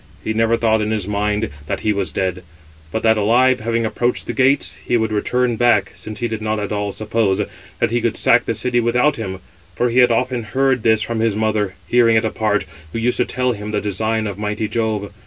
He never thought in his mind that he was dead; but that alive, having approached the gates, he would return back, since he did not at all suppose that he could sack the city without him, for he had often heard this from his mother, hearing it apart, who used to tell him the design of mighty Jove.